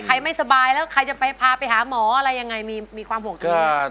ไม่สบายแล้วใครจะไปพาไปหาหมออะไรยังไงมีความห่วงเธอ